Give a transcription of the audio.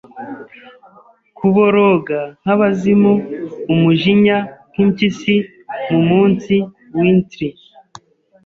Kuboroga nkabazimu umujinya nkimpyisi Mumunsi wintry